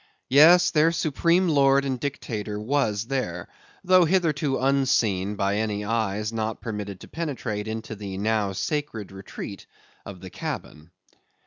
Yes, their supreme lord and dictator was there, though hitherto unseen by any eyes not permitted to penetrate into the now sacred retreat of the cabin.